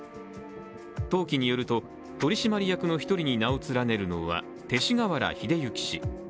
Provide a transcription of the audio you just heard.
登記によると、取締役の１人に名を連ねるのは勅使河原秀行氏。